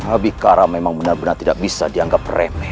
habikara memang benar benar tidak bisa dianggap remeh